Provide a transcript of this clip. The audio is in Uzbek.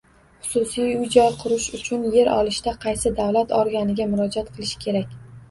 Xususiy uy-joy qurish uchun yer olishida qaysi davlat organiga murojaat qilishi kerak?